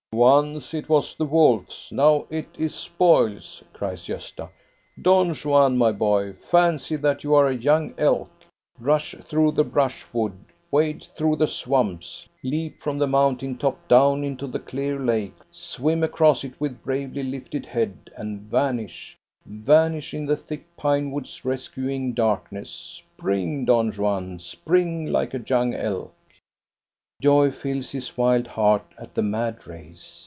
" Once it was wolves, now it is spoils," cries Gosta. " Don Juan, my boy, fancy that you are a young elk. Rush through the brushwood, wade through the swamps, leap from the mountain top down into the clear lake, swim across it with bravely lifted head, and vanish, vanish in the thick pine woods' rescuing darkness! Spring, Don Juan! Spring like a young elk !" Joy fills his wild heart at the mad race.